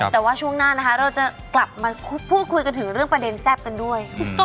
แต่ว่าช่วงหน้านะคะเราจะกลับมาพูดคุยกันถึงเรื่องประเด็นแซ่บกันด้วย